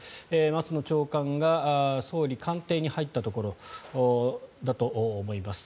松野長官が総理官邸に入ったところだと思います。